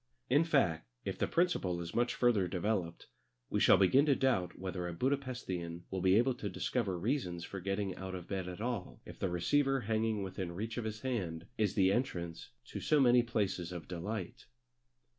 In fact, if the principle is much further developed, we shall begin to doubt whether a Buda Pesthian will be able to discover reasons for getting out of bed at all if the receiver hanging within reach of his hand is the entrance to so many places of delight.